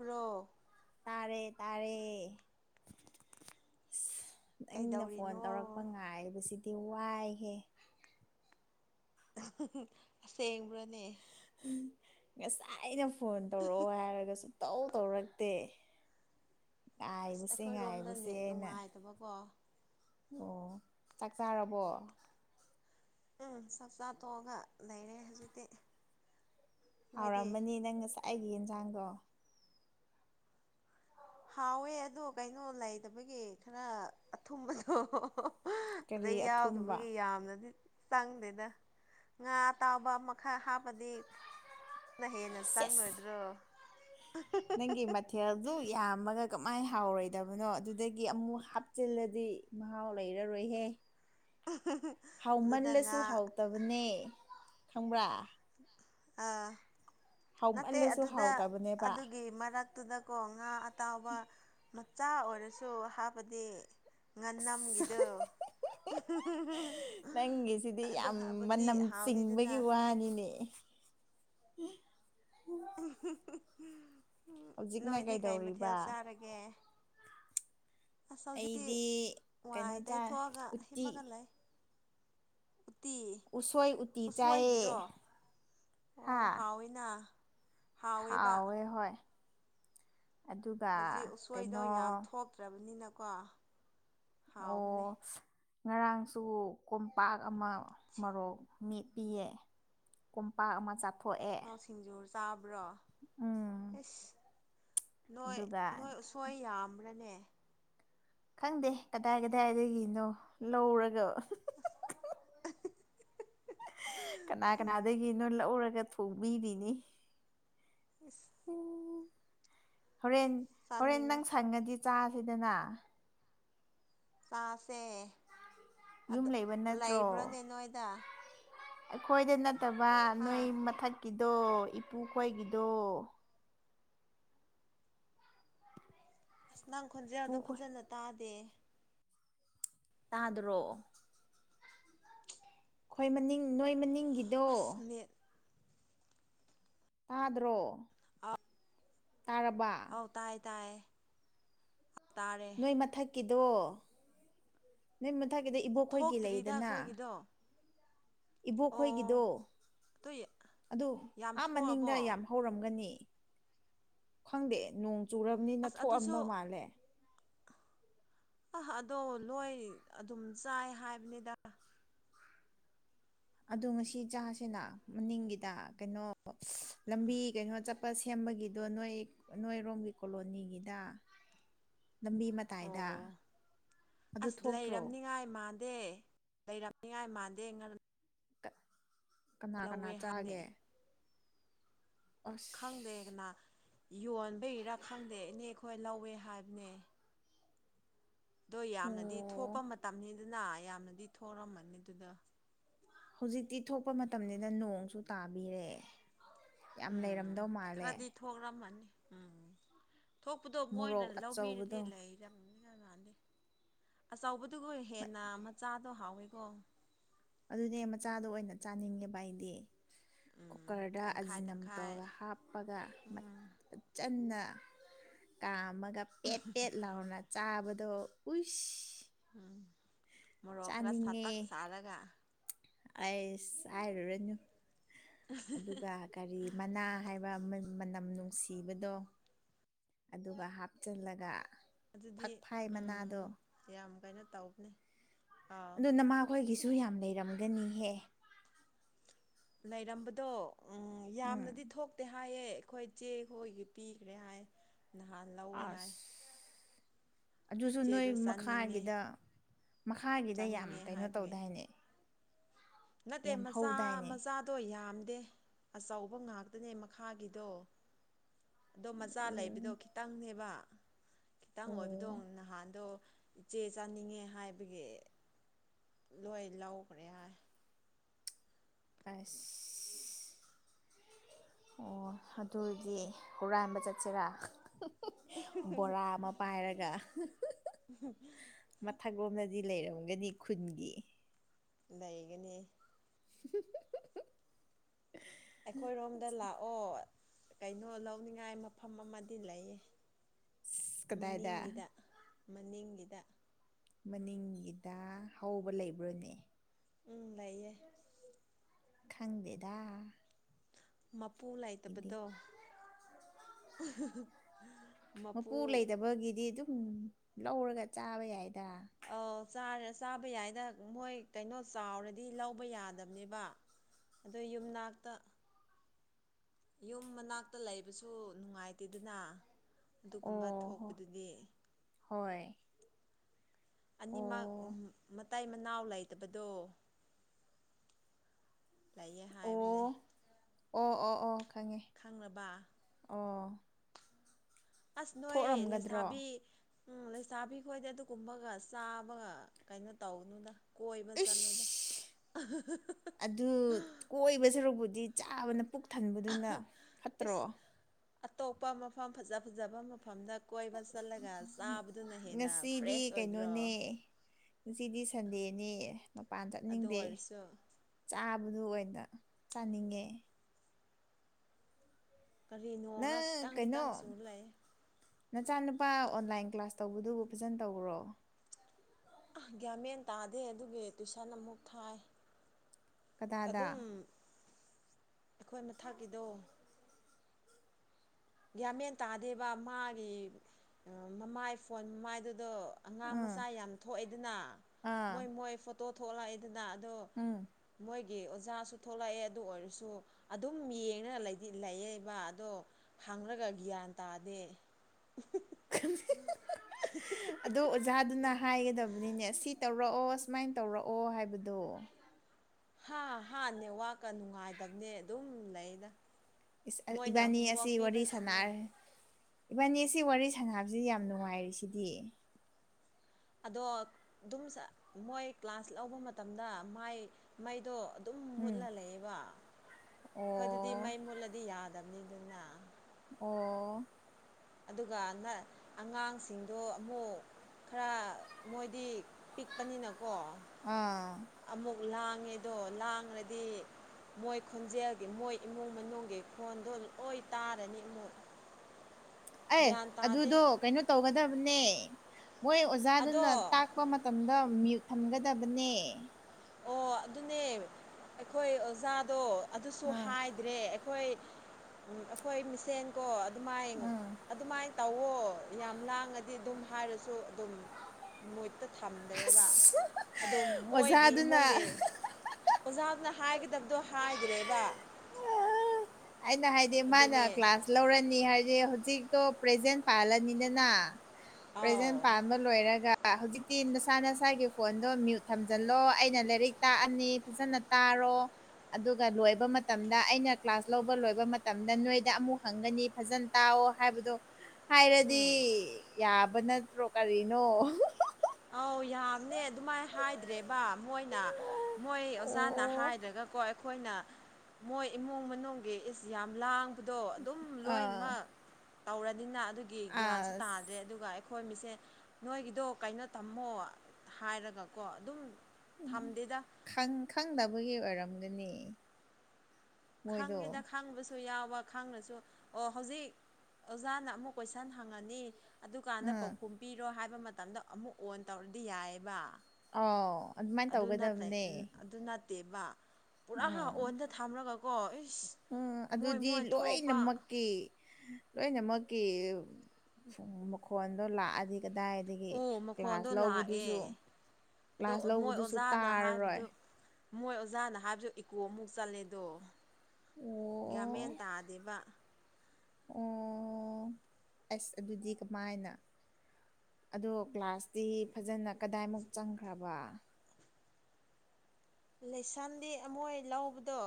ꯔꯣ ꯇꯥꯔꯦ ꯇꯥꯔꯦ ꯅꯪꯅ ꯐꯣꯟ ꯀꯩꯗꯧꯔꯤꯅꯣ ꯇꯧꯔꯛꯄ ꯉꯥꯏꯕꯁꯤꯗꯤ ꯋꯥꯏꯍꯦ ꯑꯁꯦꯡꯕ꯭ꯔꯅꯦ ꯉꯁꯥꯏ ꯑꯩꯅ ꯐꯣꯟ ꯇꯧꯔꯛꯑꯣ ꯍꯥꯏꯔꯒꯁꯨ ꯇꯧ ꯇꯧꯔꯛꯇꯦ ꯉꯥꯏꯕꯁꯦ ꯉꯥꯏꯕꯁꯦ ꯑꯩꯅ ꯑꯗꯨꯒꯀꯣ ꯑꯣ ꯆꯥꯛ ꯆꯔꯕꯣ ꯎꯝ ꯆꯥꯛ ꯆꯥꯊꯣꯛꯑꯒ ꯂꯩꯔꯦ ꯍꯧꯖꯤꯛꯇꯤ ꯅꯣꯏꯗꯤ ꯍꯥꯎꯔꯝꯃꯅꯤ ꯅꯪ ꯉꯁꯥꯏ ꯑꯩꯒꯤ ꯌꯦꯟꯖꯥꯡꯗꯣ ꯍꯥꯎꯋꯦ ꯑꯗꯣ ꯀꯩꯅꯣ ꯂꯩꯗꯕꯒꯤ ꯈꯔ ꯑꯊꯨꯝꯕꯗꯣ ꯀꯔꯤ ꯑꯗꯩ ꯑꯊꯨꯝꯕ ꯌꯥꯎꯗꯕꯒꯤ ꯌꯥꯝꯅꯗꯤ ꯆꯪꯗꯦꯗ ꯉꯥ ꯑꯇꯥꯎꯕ ꯃꯈꯥ ꯍꯥꯞꯄꯗꯤꯅ ꯍꯦꯟꯅ ꯆꯥꯡ ꯁꯦꯁ ꯂꯣꯏꯗ꯭ꯔꯣ ꯅꯪꯒꯤ ꯃꯊꯦꯜꯗꯨ ꯌꯥꯝꯃꯒ ꯀꯃꯥꯏꯅ ꯍꯥꯎꯔꯣꯏꯗꯕꯅꯣ ꯑꯗꯨꯗꯒꯤ ꯑꯃꯨꯛ ꯆꯤꯜꯂꯗꯤ ꯃꯍꯥꯎ ꯂꯩꯔꯔꯣꯏꯍꯦ ꯑꯗꯨꯗ ꯉꯥ ꯍꯥꯎꯃꯜꯂꯁꯨ ꯍꯥꯎ ꯇꯕꯅꯦ ꯈꯪꯕ꯭ꯔꯥ ꯑ ꯅꯠꯇꯦ ꯍꯥꯎꯃꯜꯂꯁꯨ ꯑꯗꯨꯗ ꯍꯥꯎꯇꯕꯅꯦꯕ ꯑꯗꯨꯒꯤ ꯃꯔꯛ ꯇꯨꯗꯀꯣ ꯉꯥ ꯑꯇꯥꯎꯕ ꯃꯆꯥ ꯑꯣꯏꯔꯁꯨ ꯍꯥꯞꯄꯗꯤ ꯑꯁ ꯉꯥꯅꯝꯒꯤꯗꯨ ꯅꯪꯒꯤꯁꯤꯗꯤ ꯑꯗꯨ ꯌꯥꯝ ꯍꯥꯞꯄꯗꯤ ꯃꯅꯝ ꯍꯥꯎꯅꯤꯗꯅ ꯆꯤꯡꯕꯒꯤ ꯋꯥꯅꯤꯅꯦ ꯍꯧꯖꯤꯛꯅ ꯅꯣꯏꯗꯤ ꯀꯩ ꯀꯩꯗꯧꯔꯤꯕ ꯃꯊꯦꯜ ꯆꯥꯔꯒꯦ ꯑꯁ ꯍꯧꯖꯤꯛꯇꯤ ꯑꯩꯗꯤ ꯋꯥꯏ ꯀꯩꯅꯣ ꯆꯥꯏ ꯇꯩꯊꯣꯛꯑꯒ ꯎꯇꯤ ꯍꯤꯞꯄꯒ ꯂꯩ ꯎꯇꯤ ꯎꯁꯣꯏ ꯎꯇꯤ ꯆꯥꯏꯌꯦ ꯎꯁꯣꯏꯒꯤꯔꯣ ꯍꯥ ꯑꯣ ꯍꯥꯎꯋꯦ ꯅꯥ ꯍꯥꯎꯋꯦ ꯍꯣꯏ ꯑꯗꯨꯒ ꯍꯧꯖꯤꯛ ꯎꯁꯣꯏꯗꯣ ꯀꯩꯅꯣ ꯌꯥꯝ ꯊꯣꯛꯇ꯭ꯔꯕꯅꯤꯅꯀꯣ ꯑꯣ ꯍꯥꯎꯕꯅꯦ ꯉꯔꯥꯡꯁꯨ ꯀꯣꯝꯄꯥꯛ ꯑꯃ ꯃꯣꯔꯣꯛ ꯃꯦꯠꯄꯤꯌꯦ ꯀꯣꯝꯄꯥꯛ ꯑꯃ ꯆꯥꯊꯣꯛꯑꯦ ꯑꯣ ꯁꯤꯡꯖꯨ ꯆꯥꯕ꯭ꯔꯣ ꯎꯝ ꯑꯁ ꯅꯣꯏ ꯑꯗꯨꯒ ꯅꯣꯏ ꯎꯁꯣꯏ ꯁꯣꯏ ꯌꯥꯝꯕ꯭ꯔꯅꯦ ꯈꯪꯗꯦ ꯀꯗꯥꯏ ꯀꯗꯥꯏꯗꯒꯤꯅꯣ ꯂꯧꯔꯒ ꯀꯅꯥ ꯀꯅꯥꯗꯒꯤꯅꯣ ꯂꯧꯔꯒ ꯊꯣꯡꯕꯤꯔꯤꯅꯤ ꯏꯁ ꯎꯝ ꯍꯣꯔꯦꯟ ꯍꯣꯔꯦꯟ ꯆꯥꯅꯤꯡꯉꯦ ꯅꯪ ꯁꯪꯉꯗꯤ ꯆꯥꯁꯤꯗꯅ ꯆꯥꯁꯦ ꯌꯨꯝ ꯑꯗꯨ ꯂꯩꯕ ꯅꯠꯇ꯭ꯔꯣ ꯂꯩꯕ꯭ꯔꯅꯦ ꯅꯣꯏꯗ ꯑꯩꯈꯣꯏꯗ ꯅꯠꯇꯕ ꯍꯥ ꯅꯣꯏ ꯃꯊꯛꯀꯤꯗꯣ ꯏꯄꯨ ꯈꯣꯏꯒꯤꯗꯣ ꯑꯁ ꯅꯪ ꯏꯄꯨ ꯈꯣꯟꯖꯦꯜꯗꯣ ꯈꯣꯏ ꯐꯖꯅ ꯇꯥꯗꯦ ꯇꯥꯗ꯭ꯔꯣ ꯈꯣꯏ ꯃꯅꯤꯡ ꯅꯣꯏ ꯃꯅꯤꯡꯒꯤꯗꯣ ꯑꯁ ꯅꯦꯠ ꯇꯥꯗ꯭ꯔꯣ ꯑꯥ ꯇꯥꯔꯕ ꯑꯥꯎ ꯇꯥꯏ ꯇꯥꯏꯌꯦ ꯅꯣꯏ ꯃꯊꯛꯀꯤꯗꯣ ꯅꯣꯏ ꯃꯊꯛꯀꯤꯗꯣ ꯏꯕꯣꯛꯈꯣꯏꯒꯤ ꯊꯣꯛꯇ꯭ꯔꯤꯗ ꯂꯩꯗꯅ ꯑꯩꯈꯣꯏꯒꯤꯗꯣ ꯏꯕꯣꯛꯈꯣꯏꯒꯤꯗꯣ ꯑꯣ ꯑꯗꯨ ꯑꯗꯨ ꯌꯥꯝ ꯑꯥ ꯃꯅꯤꯡꯗ ꯊꯣꯛꯑꯕꯣ ꯌꯥꯝ ꯍꯧꯔꯝꯒꯅꯤ ꯈꯪꯗꯦ ꯅꯣꯡ ꯆꯨꯔꯕꯅꯤꯅ ꯑꯁ ꯑꯗꯨꯁꯨ ꯊꯣꯛꯑꯝꯗꯧ ꯃꯥꯜꯂꯦ ꯑ ꯑꯗꯣ ꯂꯣꯏ ꯑꯗꯨꯝ ꯆꯥꯏ ꯍꯥꯏꯕꯅꯤꯗ ꯑꯗꯣ ꯉꯁꯤ ꯆꯥꯁꯤꯅ ꯃꯅꯤꯡꯒꯤꯗ ꯀꯩꯅꯣ ꯂꯝꯕꯤ ꯀꯩꯅꯣ ꯆꯠ ꯁꯦꯝꯕꯒꯤꯗꯣ ꯅꯣꯏ ꯅꯣꯏꯔꯣꯝꯒꯤ ꯀꯣꯂꯣꯅꯤꯒꯤꯗ ꯂꯝꯕꯤ ꯑꯣ ꯃꯇꯥꯏꯗ ꯑꯗꯨ ꯊꯣꯛꯇ꯭ꯔꯣ ꯌꯥꯏ ꯃꯥꯥꯟ ꯇꯦ ꯂꯩꯔꯝꯅꯤꯉꯥꯏ ꯃꯥꯟꯗꯦ ꯉ ꯀꯅꯥ ꯀꯅꯥ ꯂꯧꯋꯦ ꯍꯥꯥꯟꯅꯦ ꯑ [unintelligible] ꯈꯪꯗꯦ ꯀꯅꯥ ꯌꯣꯟꯕꯩꯔꯥ ꯈꯪꯗꯦ ꯏꯅꯦꯈꯣꯏ ꯂꯧꯋꯦ ꯍꯥꯏꯕꯅꯦ ꯑꯗꯣ ꯌꯥꯝꯅꯗꯤ ꯊꯣꯛꯄ ꯑꯣ ꯃꯇꯝꯅꯤꯗꯅ ꯑꯗꯨꯅ ꯌꯥꯝꯅꯗꯤ ꯊꯣꯛꯔꯝꯃꯅꯤ ꯑꯗꯨꯗ ꯍꯧꯖꯤꯛꯇꯤ ꯊꯣꯛꯄ ꯃꯇꯝꯅꯤꯅ ꯅꯣꯡꯁꯨ ꯇꯥꯕꯤꯔꯦ ꯌꯥꯝ ꯂꯩꯔꯝꯗꯧ ꯃꯥꯜꯂꯦ ꯊꯣꯛꯂꯝꯃꯅꯤ ꯎꯝ ꯊꯣꯛꯄꯗꯣ ꯃꯣꯏꯅ ꯃꯣꯔꯣꯛ ꯂꯧꯕꯤꯔꯗꯤ ꯑꯆꯧꯕꯗꯣ ꯂꯩ ꯑꯆꯧꯕꯗꯨꯒ ꯍꯦꯟꯅ ꯃꯆꯥꯗꯣ ꯍꯥꯎꯋꯦꯀꯣ ꯑꯗꯨꯅꯦ ꯃꯆꯥꯗꯣ ꯑꯣꯏꯅ ꯆꯥꯅꯤꯡꯉꯦꯕ ꯑꯩꯗꯤ ꯎꯝ ꯀꯨꯀꯔꯗ ꯇꯪꯈꯥꯏ ꯑꯖꯤꯅꯝ ꯇꯪꯈꯥꯏ ꯇꯧꯔꯒ ꯍꯥꯞꯄꯒ ꯎꯝ ꯆꯟꯅ ꯀꯥꯝꯃꯒ ꯄꯦꯠ ꯄꯦꯠ ꯂꯥꯎꯅ ꯆꯥꯕꯗꯣ ꯎꯏꯁ ꯎꯝ ꯃꯣꯔꯣꯛ ꯈꯔ ꯆꯥꯅꯤꯡꯉꯦ ꯁꯥꯇꯛ ꯁꯥꯔꯒ ꯑꯩꯁ ꯍꯥꯏꯔꯨꯔꯅꯨ ꯑꯗꯨꯒ ꯀꯔꯤ ꯃꯅꯥ ꯍꯥꯏꯕ ꯃꯅꯝ ꯅꯨꯡꯁꯤꯕꯗꯣ ꯑꯗꯨꯒ ꯍꯥꯞꯆꯤꯜꯂꯒ ꯑꯗꯨꯗꯤ ꯐꯛ ꯐꯥꯏ ꯎꯝ ꯃꯅꯥꯗꯣ ꯌꯥꯝ ꯀꯩꯅꯣ ꯇꯧꯕꯅꯤ ꯑꯗꯨ ꯅꯃꯥ ꯈꯣꯏꯒꯤꯁꯨ ꯌꯥꯝ ꯂꯩꯔꯝꯒꯅꯤꯍꯦ ꯂꯩꯔꯝꯕꯗꯣ ꯎꯝ ꯎꯝ ꯌꯥꯝꯅꯗꯤ ꯊꯣꯛ ꯇꯦ ꯍꯥꯏꯌꯦ ꯑꯩꯈꯣꯏ ꯆꯦ ꯍꯣꯏꯒꯤ ꯄꯤꯈ꯭ꯔꯦ ꯍꯥꯏ ꯅꯍꯥꯟ ꯂꯧꯋꯦ ꯍꯥꯏ ꯑꯁ ꯑꯗꯨꯁꯨ ꯅꯣꯏ ꯆꯦꯗꯣ ꯆꯥꯅꯤꯡꯉꯦ ꯃꯈꯥꯒꯤꯗ ꯃꯈꯥꯒꯤꯗ ꯌꯥꯝ ꯆꯥꯅꯤꯡꯉꯦ ꯀꯩꯅꯣ ꯍꯥꯏꯕꯒꯤ ꯇꯧꯗꯥꯏꯅꯦ ꯅꯠꯇꯦ ꯌꯥꯝ ꯃꯆꯥ ꯍꯧꯗꯥꯏꯅꯦ ꯃꯆꯥꯗꯣ ꯌꯥꯝꯗꯦ ꯑꯆꯧꯕ ꯉꯥꯛꯇꯅꯦ ꯃꯈꯥꯒꯤꯗꯣ ꯑꯗꯣ ꯃꯆꯥ ꯑꯣ ꯂꯩꯕꯗꯣ ꯈꯤꯇꯪꯅꯦꯕ ꯈꯤꯇꯪ ꯑꯣ ꯑꯣꯏꯕꯗꯣ ꯅꯍꯥꯟꯗꯣ ꯏꯆꯦ ꯆꯥꯅꯤꯡꯉꯦ ꯍꯥꯏꯕꯒꯤ ꯂꯣꯏ ꯂꯧꯈ꯭ꯔꯦ ꯍꯥꯏ ꯑꯁ ꯑꯣ ꯑꯗꯨꯗꯤ ꯍꯨꯔꯥꯟꯕ ꯆꯠꯁꯤꯔꯥ ꯕꯣꯔꯥ ꯑꯃ ꯄꯥꯏꯔꯒ [unintelligible] ꯃꯊꯛꯂꯣꯝꯗꯗꯤ ꯂꯩꯔꯝꯒꯅꯤ ꯈꯨꯟꯒꯤ ꯂꯩꯒꯅꯤ [unintelligible] ꯑꯩꯈꯣꯏꯔꯣꯝꯗ ꯂꯥꯛꯑꯣ ꯀꯩꯅꯣ ꯂꯧꯅꯤꯡꯉꯥꯏ ꯃꯐꯝ ꯑꯃꯗꯤ ꯂꯩꯌꯦ ꯑꯁ ꯀꯗꯥꯏꯗ ꯃꯅꯤꯡꯒꯤꯗ ꯃꯅꯤꯡꯒꯤꯗ ꯃꯅꯤꯡꯒꯤꯗ ꯍꯧꯕ ꯂꯩꯕ꯭ꯔꯅꯦ ꯎꯝ ꯂꯩꯌꯦ ꯈꯪꯗꯦꯗ ꯃꯄꯨ ꯑꯩꯗꯤ ꯂꯩꯇꯕꯗꯣ ꯃꯄꯨ ꯂꯩꯇꯕꯒꯤꯗꯤ ꯑꯗꯨꯝ ꯂꯧꯔꯒ ꯆꯥꯕ ꯌꯥꯏꯗ ꯑ ꯆꯥꯕ ꯌꯥꯏꯗ ꯃꯣꯏ ꯀꯩꯅꯣ ꯆꯥꯎꯔꯗꯤ ꯂꯧꯕ ꯌꯥꯗꯕꯅꯦꯕ ꯑꯗꯣ ꯌꯨꯝꯅꯥꯛꯇ ꯌꯨꯝ ꯃꯅꯥꯛꯇ ꯂꯩꯕꯁꯨ ꯅꯨꯡꯉꯥꯏꯇꯦꯗꯅ ꯑꯣ ꯑꯗꯨꯒꯨꯝꯕ ꯍꯣ ꯊꯣꯛꯄꯗꯨꯗꯤ ꯍꯣꯏ ꯑꯅꯤꯃꯛ ꯑꯣ ꯃꯇꯩ ꯃꯅꯥꯎ ꯂꯩꯇꯕꯗꯣ ꯂꯩꯌꯦ ꯍꯥꯏꯕꯅꯦ ꯑꯣ ꯑꯣ ꯑꯣ ꯑꯣ ꯈꯪꯉꯦ ꯈꯪꯉꯕ ꯑꯣ ꯑꯁ ꯅꯣꯏ ꯊꯣꯛꯔꯝꯒꯗ꯭ꯔꯣ ꯂꯩꯁꯥꯕꯤ ꯎꯝ ꯂꯩꯁꯥꯕꯤ ꯈꯣꯏꯗꯤ ꯑꯗꯨꯒꯨꯝꯕꯒ ꯆꯥꯕꯒ ꯀꯩꯅꯣ ꯇꯧꯅꯨꯗ ꯀꯣꯏꯕ ꯆꯠꯂꯨꯗ ꯏꯁ ꯑꯗꯨ ꯀꯣꯏꯕ ꯁꯔꯨꯛꯄꯨꯗꯤ ꯆꯥꯕꯅ ꯄꯨꯛ ꯊꯟꯕꯗꯨꯅ ꯐꯠꯇ꯭ꯔꯣ ꯏꯁ ꯑꯇꯣꯞꯄ ꯃꯐꯝ ꯐꯖ ꯐꯖꯕ ꯃꯐꯝꯗ ꯀꯣꯏꯕ ꯆꯠꯂꯒ ꯆꯥꯕꯗꯨꯅ ꯍꯦꯟꯅ ꯉꯁꯤꯗꯤ ꯐ꯭ꯔꯦꯁ ꯑꯣꯏꯗ꯭ꯔꯣ ꯀꯩꯅꯣꯅꯦ ꯉꯁꯤꯗꯤ ꯁꯟꯗꯦꯅꯤ ꯃꯄꯥꯟ ꯑꯗꯨ ꯆꯠꯅꯤꯡꯗꯦ ꯑꯣꯏꯔꯁꯨ ꯆꯥꯕꯗꯨ ꯑꯣꯏꯇ ꯆꯥꯅꯤꯡꯉꯦ ꯀꯔꯤ ꯅꯣꯡꯔ ꯅꯪ ꯈꯤꯇꯪ ꯀꯩꯅꯣ ꯈꯤꯇꯪ ꯆꯨ ꯂꯩ ꯅꯆꯥꯅꯨꯄꯥ ꯑꯣꯟꯂꯥꯏꯟ ꯀ꯭ꯂꯥꯁ ꯇꯧꯕꯗꯨꯕꯨ ꯐꯖꯅ ꯇꯧꯕ꯭ꯔꯣ ꯒ꯭ꯌꯥꯃꯦꯟ ꯇꯥꯗꯦ ꯑꯗꯨꯒꯤ ꯇꯨꯏꯁꯟ ꯑꯃꯨꯛ ꯊꯥꯏ ꯀꯗꯥꯗ ꯑꯗꯨꯝ ꯑꯩꯈꯣꯏ ꯃꯊꯛꯀꯤꯗꯣ ꯒ꯭ꯌꯥꯟ ꯃꯦꯟ ꯇꯥꯗꯦꯕ ꯃꯥꯒꯤ ꯃꯃꯥꯏ ꯐꯣꯟ ꯃꯃꯥꯏꯗꯨꯗꯣ ꯑꯉꯥꯡ ꯑꯥ ꯃꯆꯥ ꯌꯥꯝ ꯊꯣꯛꯑꯦꯗꯅ ꯃꯣꯏ ꯑꯥ ꯃꯣꯏ ꯐꯣꯇꯣ ꯊꯣꯛꯂꯛꯑꯦꯗꯅ ꯑꯗꯣ ꯎꯝ ꯃꯣꯏꯒꯤ ꯑꯣꯖꯥꯁꯨ ꯊꯣꯛꯂꯛꯑꯦ ꯑꯗꯨ ꯑꯣꯏꯔꯁꯨ ꯑꯗꯨꯝ ꯌꯦꯡꯅ ꯂꯩꯌꯦꯕ ꯑꯗꯣ ꯈꯪꯂꯒ ꯒ꯭ꯌꯥꯟ ꯇꯥꯗꯦ [inaudible] ꯑꯗꯣ ꯑꯣꯖꯥꯗꯨꯅ ꯍꯥꯏꯒꯗꯕꯅꯤꯅꯦ ꯁꯤ ꯇꯧꯔꯛꯑꯣ ꯁꯨꯃꯥꯏꯅ ꯇꯧꯔꯛꯑꯣ ꯍꯥꯏꯕꯗꯣ ꯍꯥ ꯍꯥ ꯅꯦꯋꯥꯛꯀ ꯅꯨꯡꯉꯥꯏꯗꯕꯅꯦ ꯑꯗꯨꯝ ꯂꯩꯗ ꯃꯣꯏꯅ ꯏꯕꯥꯅꯤ ꯑꯁꯤ ꯍꯣꯝꯋꯥꯛ ꯋꯥꯔꯤ ꯄꯤꯕꯁꯤꯡꯗꯣ ꯁꯥꯟꯅꯩ ꯏꯕꯥꯅꯤ ꯁꯤ ꯋꯥꯔꯤ ꯁꯥꯟꯅꯕꯁꯤ ꯌꯥꯝ ꯅꯨꯡꯉꯥꯏꯔꯤꯁꯤꯗꯤ ꯑꯗꯣ ꯑꯗꯨꯝ ꯃꯣꯏ ꯀ꯭ꯂꯥꯁ ꯂꯧꯕ ꯃꯇꯝꯗ ꯃꯥꯏ ꯃꯩꯗꯣ ꯑꯗꯨꯝ ꯎꯝ ꯃꯨꯠꯂ ꯂꯩꯌꯦꯕ ꯑꯩꯈꯣꯏ ꯑꯗꯨꯗꯤ ꯑꯣ ꯃꯩ ꯃꯨꯠꯂꯗꯤ ꯌꯥꯗꯕꯅꯤ ꯑꯗꯨꯅ ꯑꯣ ꯑꯗꯨꯒꯥꯟꯗ ꯑꯉꯥꯡꯁꯤꯡꯗꯣ ꯑꯃꯨꯛ ꯈꯔ ꯃꯣꯏꯗꯤ ꯄꯤꯛꯄꯅꯤꯅꯀꯣ ꯑꯥ ꯑꯃꯨꯛ ꯂꯥꯡꯉꯦꯗꯣ ꯂꯥꯡꯉ꯭ꯔꯗꯤ ꯃꯣꯏ ꯈꯣꯟꯖꯦꯜꯒꯤ ꯃꯣꯏ ꯏꯃꯨꯡ ꯃꯅꯨꯡꯒꯤ ꯈꯣꯟꯗꯣ ꯂꯣꯏ ꯇꯥꯔꯅꯤ ꯑꯃꯨꯛ ꯑꯦ ꯒ꯭ꯌꯥꯟ ꯇꯥꯗꯦ ꯑꯗꯨꯗꯣ ꯀꯩꯅꯣ ꯇꯧꯒꯗꯕꯅꯦ ꯃꯣꯏ ꯑꯣꯖꯥꯗꯨꯅ ꯑꯗꯣ ꯇꯥꯛ ꯀꯄ ꯃꯇꯝꯗ ꯃ꯭ꯌꯨꯠ ꯊꯝꯒꯗꯕꯅꯦ ꯑꯣ ꯑꯗꯨꯅꯦ ꯑꯩꯈꯣꯏ ꯑꯣꯖꯥꯗꯣ ꯑꯗꯨꯁꯨ ꯑꯥ ꯍꯥꯏ ꯗ꯭ꯔꯦ ꯑꯩꯈꯣꯏ ꯑꯩꯈꯣꯏ ꯃꯤꯁꯦꯟ ꯀꯣ ꯑꯗꯨꯃꯥꯏ ꯑꯥ ꯑꯗꯨꯃꯥꯏꯅ ꯇꯧꯋꯣ ꯌꯥꯝ ꯂꯥꯡꯉꯗꯤ ꯑꯗꯨꯝ ꯍꯥꯏꯔꯁꯨ ꯑꯗꯨꯝ ꯃꯣꯏꯠꯇ ꯊꯝꯗ꯭ꯔꯦꯕ ꯑꯁ ꯑꯗꯣ ꯃꯣꯏ ꯑꯣꯖꯥꯗꯨꯅ ꯑꯣꯖꯥꯗꯨꯅ ꯍꯥꯏꯒꯗꯕꯗꯣ ꯍꯥꯏꯗ꯭ꯔꯦꯕ ꯑꯩꯅ ꯍꯥꯏꯗꯤ ꯃꯥꯅ ꯑꯗꯨꯅꯦ ꯀ꯭ꯂꯥꯁ ꯂꯧꯔꯅꯤ ꯍꯥꯏꯗꯤ ꯍꯧꯖꯤꯛꯇꯣ ꯄ꯭ꯔꯖꯦꯟ ꯄꯥꯜꯂꯅꯤꯗꯅ ꯑꯥꯎ ꯄ꯭ꯔꯖꯦꯟ ꯄꯥꯟ ꯂꯣꯏꯔꯒ ꯍꯧꯖꯤꯛꯇꯤ ꯅꯁꯥ ꯅꯁꯥꯒꯤ ꯐꯣꯟꯗꯣ ꯃ꯭ꯌꯨꯠ ꯊꯝꯖꯤꯜꯂꯣ ꯑꯩꯅ ꯂꯥꯏꯔꯤꯛ ꯇꯥꯛꯑꯅꯤ ꯐꯖꯅ ꯇꯥꯔꯣ ꯑꯗꯨꯒ ꯂꯣꯏꯕ ꯃꯇꯝꯗ ꯑꯩꯅ ꯀ꯭ꯂꯥꯁ ꯂꯧꯕ ꯂꯣꯏꯕ ꯃꯇꯝꯗ ꯅꯣꯏꯗ ꯑꯃꯨꯛ ꯍꯪꯒꯅꯤ ꯐꯖꯅ ꯇꯥꯛꯑꯣ ꯍꯥꯏꯕꯗꯣ ꯍꯥꯏꯔꯗꯤ ꯎꯝ ꯌꯥꯕ ꯅꯠꯇ꯭ꯔꯣ ꯀꯔꯤꯅꯣ ꯑꯧ ꯌꯥꯕꯅꯦ ꯑꯗꯨꯃꯥꯏꯅ ꯍꯥꯏꯗ꯭ꯔꯦꯕ ꯃꯣꯏꯅ ꯃꯣꯏ ꯑꯣꯖꯥꯅ ꯑꯣ ꯍꯥꯏꯔꯒ ꯈꯣꯢꯅ ꯑꯩꯈꯣꯏꯅ ꯃꯣꯏ ꯏꯃꯨꯡ ꯃꯅꯨꯡꯒꯤ ꯏꯁ ꯌꯥꯝ ꯂꯥꯡꯕꯗꯣ ꯑꯗꯨꯝ ꯑꯥ ꯂꯣꯏꯅꯃꯛ ꯇꯧꯔꯅꯤꯅ ꯑꯗꯨꯒꯤ ꯒ꯭ꯌꯥꯟꯁꯨ ꯑꯁ ꯇꯥꯗ꯭ꯔꯦ ꯑꯗꯨꯒ ꯑꯩꯈꯣꯏ ꯃꯤꯁꯦꯟ ꯅꯣꯏꯒꯤꯗꯣ ꯀꯩꯅꯣ ꯊꯝꯃꯣ ꯍꯥꯏꯔꯒꯀꯣ ꯑꯗꯨꯝ ꯊꯝꯗꯦꯗ ꯈꯪꯗꯕꯒꯤ ꯑꯣꯏꯔꯝꯒꯅꯤ ꯃꯣꯏꯗꯣ ꯈꯪꯉꯦꯗ ꯈꯪꯕꯁꯨ ꯁꯨ ꯌꯥꯎꯕ ꯈꯪꯔꯥꯁꯨ ꯑꯣ ꯍꯧꯖꯤꯛ ꯑꯣꯖꯥꯅ ꯑꯃꯨꯛ ꯀꯣꯏꯁꯟ ꯍꯪꯉꯅꯤ ꯑꯗꯨꯀꯥꯟꯗ ꯎꯝ ꯄꯥꯎꯈꯨꯝ ꯄꯤꯔꯣ ꯍꯥꯏꯕ ꯃꯇꯝꯗ ꯑꯃꯨꯛ ꯑꯣꯟ ꯇꯧꯔꯗꯤ ꯌꯥꯏꯑꯦꯕ ꯑꯣ ꯑꯗꯨ ꯑꯗꯨ ꯑꯗꯨ ꯅꯠꯇꯦꯕ ꯄꯨꯔꯥ ꯑꯥ ꯑꯣꯟꯗ ꯊꯝꯂꯒꯀꯣ ꯏꯁꯁ ꯎꯝ ꯑꯗꯨꯗꯤ ꯂꯣꯏꯅꯃꯛꯀꯤ ꯂꯣꯏꯅꯃꯛꯀꯤ ꯃꯈꯣꯟꯗꯣ ꯂꯥꯛꯑꯗꯤ ꯀꯗꯥꯏ ꯑꯗꯒꯤ ꯎ ꯀ꯭ꯂꯥꯁ ꯃꯈꯣꯟꯗꯣ ꯂꯥꯛꯑꯦ ꯂꯧꯕꯗꯨꯁꯨ ꯑꯗꯣ ꯀ꯭ꯂꯥꯁ ꯃꯣꯏ ꯂꯧꯕꯗꯨꯁꯨ ꯑꯣꯖꯥꯅ ꯇꯥꯔꯔꯣꯏ ꯍꯥꯏꯕꯗꯨ ꯃꯣꯏ ꯑꯣꯖꯥꯅ ꯍꯥꯏꯕꯁꯨ ꯏꯀꯣꯃꯨꯛ ꯆꯠꯂꯦꯗꯣ ꯒ꯭ꯌꯥꯃꯦꯟ ꯑꯣ ꯇꯥꯗꯦꯕ [unintelligible] ꯑꯣ ꯑꯁ ꯑꯗꯨꯗꯤ ꯀꯃꯥꯏꯅ ꯑꯗꯣ ꯀ꯭ꯂꯥꯁꯇꯤ ꯐꯖꯅ ꯀꯗꯥꯏꯃꯨꯛ ꯆꯪꯈ꯭ꯔꯕ ꯂꯩꯁꯝꯗꯤ ꯑꯃꯣꯏ ꯂꯧꯕꯗꯣ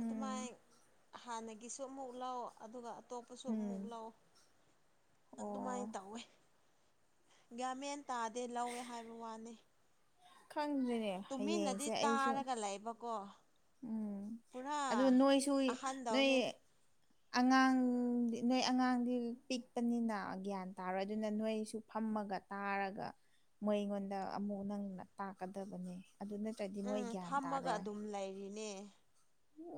ꯑꯗꯨꯃꯥꯏ ꯍꯥꯟꯅꯒꯤꯁꯨ ꯑꯃꯨꯛ ꯂꯧ ꯑꯗꯨꯒ ꯑꯇꯣꯞꯄꯁꯨ ꯑꯃꯨꯛ ꯎꯝ ꯂꯧ ꯑꯗꯨꯃꯥꯏꯅ ꯑꯣ ꯇꯧꯋꯦ ꯒ꯭ꯌꯥꯠ ꯃꯦꯟ ꯇꯥꯗꯦ ꯂꯧꯋꯦ ꯍꯥꯏꯕ ꯋꯥꯅꯤ ꯈꯪꯗ꯭ꯔꯦꯅꯦ ꯇꯨꯃꯤꯟꯅꯗꯤ ꯍꯌꯦꯡꯁꯦ ꯑꯩꯁꯨ ꯇꯥꯔꯒ ꯂꯩꯕꯀꯣ ꯎꯝ ꯄꯨꯅ ꯑꯗꯨ ꯑꯍꯥꯟꯗꯥꯎꯅꯦ ꯑꯉꯥꯡꯗꯤ ꯅꯣꯏ ꯑꯉꯥꯡꯗꯤ ꯄꯤꯛꯄꯅꯤꯅ ꯒ꯭ꯌꯥꯟ ꯇꯥꯔꯣꯏ ꯑꯗꯨꯅ ꯅꯣꯏꯁꯨ ꯐꯝꯃꯒ ꯇꯥꯔꯒ ꯃꯣꯏ ꯑꯩꯉꯣꯟꯗ ꯑꯃꯨꯛ ꯅꯪꯅ ꯇꯥꯛꯀꯗꯕꯅꯦ ꯑꯗꯨꯅ ꯗꯗꯤ ꯃꯣꯏ ꯎꯝ ꯒ꯭ꯌꯥꯟ ꯐꯝꯃꯒ ꯇꯥꯔꯣꯏ ꯑꯗꯨꯝ ꯂꯩꯔꯤꯅꯦ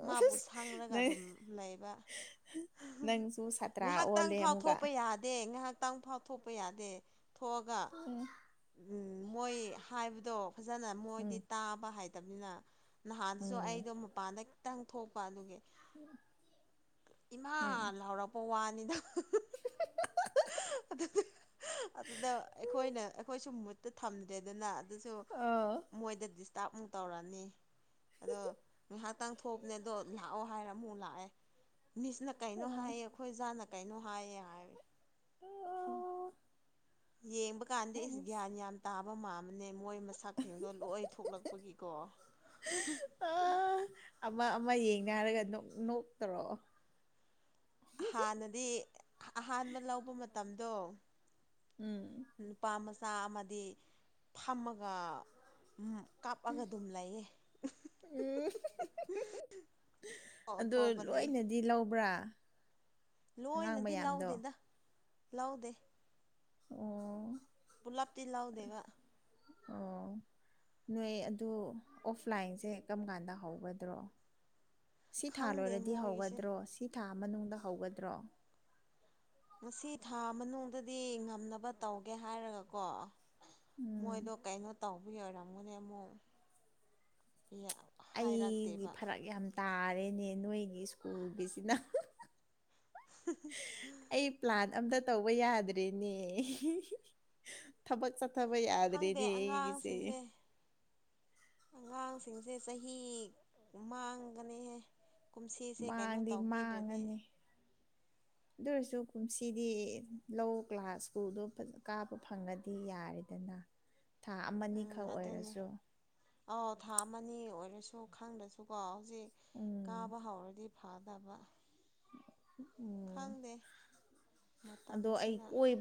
ꯃꯥꯕꯨ ꯁꯥꯡꯂꯒ ꯅꯪ ꯑꯗꯨꯝ ꯂꯩꯕ ꯅꯪꯁꯨ ꯁꯥꯇ꯭ꯔꯥ ꯉꯥꯏꯍꯥꯛꯇꯪ ꯑꯣꯜꯂꯦ ꯐꯥꯎ ꯑꯃꯨꯛꯀ ꯊꯣꯛꯄ ꯌꯥꯗꯦ ꯉꯥꯏꯍꯥꯛꯇꯪ ꯐꯥꯎ ꯊꯣꯛꯄ ꯌꯥꯗꯦ ꯊꯣꯛꯑꯒ ꯎꯝ ꯃꯣꯏ ꯍꯥꯏꯕꯗꯣ ꯐꯖꯅ ꯃꯣꯏꯗꯤ ꯇꯥꯕ ꯍꯥꯏꯇꯕꯅꯤꯅ ꯅꯍꯥꯟꯗꯁꯨ ꯎꯝ ꯑꯩꯗꯣ ꯃꯄꯥꯟꯗ ꯈꯤꯇꯪ ꯊꯣꯛꯄ ꯑꯗꯨꯒꯤ [unintelligible] ꯏꯃꯥ ꯎꯝ ꯂꯥꯎꯔꯛꯄ ꯋꯥꯅꯤꯗ [inaudible] ꯑꯗꯨꯗ ꯑꯩꯈꯣꯏꯅ ꯑꯩꯈꯣꯏꯁꯨ ꯃꯨꯠꯇ ꯊꯝꯗꯦꯗꯅ ꯑꯗꯨꯁꯨ ꯑ ꯃꯣꯏꯗ ꯗꯤꯁꯇꯥꯔꯕꯃꯨꯛ ꯇꯧꯔꯅꯤ ꯑꯗꯣ ꯉꯥꯏꯍꯥꯛꯇꯪ ꯊꯣꯛꯄꯅꯦ ꯑꯗꯣ ꯂꯥꯛꯑꯣ ꯍꯥꯏꯔ ꯑꯃꯨꯛ ꯂꯥꯛꯑꯦ ꯃꯤꯁꯅ ꯀꯩꯅꯣ ꯍꯥꯏꯌꯦ ꯑꯩꯈꯣꯏ ꯖꯥꯠꯅ ꯀꯩꯅꯣ ꯍꯥꯏꯌꯦ ꯍꯥꯏꯋ ꯑꯣ ꯌꯦꯡꯕ ꯀꯥꯟꯗ ꯏꯁ ꯒ꯭ꯌꯥꯟ ꯌꯥꯝ ꯇꯥꯕ ꯃꯥꯃꯦ ꯅ ꯃꯣꯏ ꯃꯁꯥꯛꯁꯤꯡꯤꯡꯗꯣ ꯂꯣꯏ ꯊꯣꯛꯂꯛꯄꯒꯤꯀꯣ ꯑꯥ ꯑꯃ ꯑꯃ ꯌꯦꯡꯅꯦ ꯍꯥꯏꯔꯒ ꯅꯣꯛꯇꯧꯔꫭ ꯍꯥꯟꯅꯗꯤ ꯑꯍꯥꯟꯕ ꯂꯧꯕ ꯃꯇꯝꯗꯣ ꯎꯝ ꯅꯨꯄꯥ ꯃꯆꯥ ꯑꯃꯗꯤ ꯐꯝꯃꯒ ꯎꯝ ꯀꯥꯞꯑꯒ ꯑꯗꯨꯝ ꯂꯩꯌꯦ ꯎꯝ ꯊꯣꯛꯄꯅꯦ ꯗꯤ ꯂꯧꯕ꯭ꯔꯥ ꯑꯉꯥꯡ ꯂꯣꯏꯅꯗꯤ ꯃꯌꯥꯝꯗꯣ ꯂꯧꯥꯎꯗꯦꯗ ꯂꯧꯗꯦ ꯑꯣ ꯕꯨꯂꯞꯇꯤ ꯂꯥꯎꯗꯦꯕ ꯑꯣ ꯅꯣꯏ ꯑꯗꯨ ꯑꯣꯐꯂꯥꯏꯟꯁꯦ ꯀꯔꯝ ꯀꯥꯟꯗ ꯍꯧꯒꯗ꯭ꯔꯣ ꯁꯤ ꯊꯥ ꯈꯪꯗꯦ ꯂꯣꯏꯔꯗꯤ ꯃꯣꯏꯒꯤꯁꯦ ꯍꯧꯒꯗ꯭ꯔꯣ ꯁꯤ ꯊꯥ ꯃꯅꯨꯡꯗ ꯍꯧꯒꯗ꯭ꯔꯣ ꯉꯁꯤ ꯊꯥ ꯃꯅꯨꯡꯗꯗꯤ ꯉꯝꯅꯕ ꯇꯧꯒꯦ ꯍꯥꯏꯔꯒꯀꯣ ꯎꯝ ꯃꯣꯏꯗꯣ ꯀꯩꯅꯣ ꯇꯧꯕ ꯑꯣꯏꯔꯝꯒꯅꯦ ꯑꯃꯨꯛ ꯑꯩꯗꯤ ꯍꯥꯏꯔꯛꯇꯦꯕ ꯐꯔꯛ ꯌꯥꯝ ꯇꯥꯔꯦꯅꯦ ꯅꯣꯏꯒꯤ ꯁ꯭ꯀꯨꯜꯒꯤꯁꯤꯅ ꯎ ꯑꯩ ꯄ꯭ꯂꯥꯟ ꯑꯝꯇ ꯇꯧꯕ ꯌꯥꯗ꯭ꯔꯔꯤꯅꯦ ꯊꯕꯛ ꯑꯠꯇꯕꯩ ꯈꯪꯗꯦ ꯌꯥꯗꯔꯤꯗꯤ ꯑꯩꯒꯤꯁꯦ ꯑꯉꯥꯡꯁꯤꯡꯁꯦ ꯑꯉꯥꯡꯁꯤꯡꯁꯦ ꯆꯍꯤ ꯃꯥꯡꯒꯅꯤꯍ ꯀꯨꯝꯁꯤꯁꯦ ꯀꯩꯅꯣ ꯃꯥꯡꯗꯤ ꯇꯧꯕꯤꯗ꯭ꯔꯗꯤ ꯃꯥꯡꯉꯅꯤ ꯑꯗꯨ ꯑꯣꯏꯔꯁꯨ ꯀꯨꯝꯁꯤꯗꯤ ꯂꯧ ꯀ꯭ꯂꯥꯁ ꯁ꯭ꯀꯨꯜꯗꯣ ꯀꯥꯞꯕ ꯐꯪꯉꯗꯤ ꯌꯥꯔꯦꯗꯅ [unintelligible] ꯊꯥ ꯑꯃꯅꯤꯈꯛ ꯑꯣꯏꯔꯁꯨ ꯑꯥꯎ ꯊꯥ ꯑꯃꯅꯤ ꯑꯣꯏꯔꯁꯨ ꯈꯪꯗ꯭ꯔꯁꯨꯀꯣ ꯍꯧꯖꯤꯛ ꯎꯝ ꯀꯥꯕ ꯍꯧꯔꯗꯤ ꯐꯥꯗꯕ ꯎꯝ ꯈꯪꯗꯦ ꯑꯗꯣ ꯑꯩ ꯃꯇꯝꯁꯤꯅ ꯀꯣꯏꯕ